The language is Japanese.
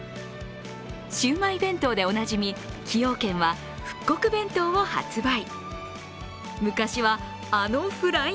シウマイ弁当でおなじみ崎陽軒は復刻弁当を発売。